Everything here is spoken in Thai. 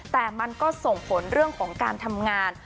แต่มันก็ส่งผลเรื่องของการทำงาน